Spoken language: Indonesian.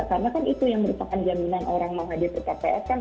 karena kan itu yang merupakan jaminan orang mau hadir di tps kan